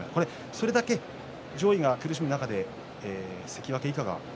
それだけ上位が苦しむ中で関脇以下が。